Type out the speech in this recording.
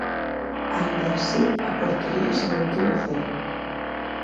Aínda así a portería se mantivo a cero.